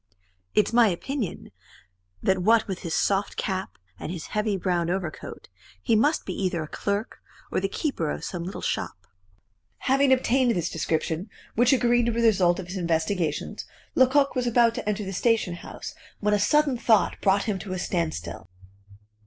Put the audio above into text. "It's my opinion, that what with his soft cap and his heavy brown overcoat, he must be either a clerk or the keeper of some little shop." Having obtained this description, which agreed with the result of his investigations, Lecoq was about to enter the station house when a sudden thought brought him to a standstill.